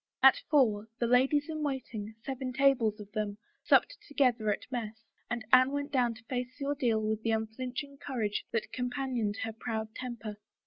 At four, the ladies in waiting, seven tables of them, supped together at mess and Anne went down to face the ordeal with the unflinching courage that compan ioned her proud temper.